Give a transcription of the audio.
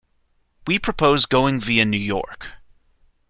We propose going via New York.